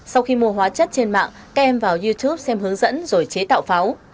sau khi mua hóa chất trên mạng các em vào youtube xem hướng dẫn rồi chế tạo pháo